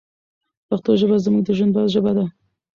پښتو ژبه زموږ د ژوند ژبه ده.